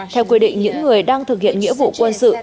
theo quy định những người đang thực hiện nghĩa vụ quân sự